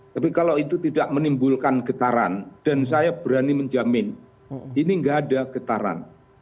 tapi kalau itu tidak menimbulkan getaran dan saya berani menjamin ini tidak ada getaran